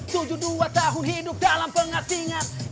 tujuh puluh dua tahun hidup dalam pengasingan